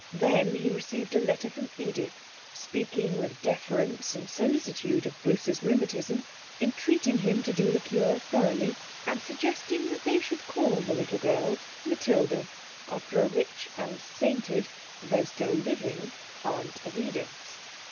Then he received a letter from Edith, speaking with deference and solicitude of Bruce's rheumatism, entreating him to do the cure thoroughly, and suggesting that they should call the little girl Matilda, after a rich and sainted though still living aunt of Edith's.